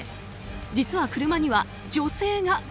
実は車には女性が。